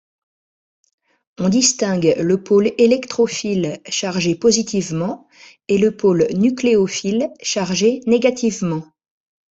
On distingue le pôle électrophile, chargé positivement, et le pôle nucléophile, chargé négativement.